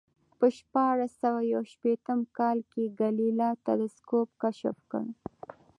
په شپاړس سوه یو شپېتم کال کې ګالیله تلسکوپ کشف کړ